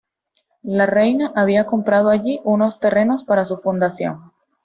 La reina había comprado allí unos terrenos para su fundación.